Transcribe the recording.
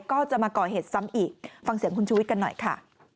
ก็จะมาก่อเหตุซ้ำอีกฟังเสียงคุณชูวิทย์กันหน่อยค่ะ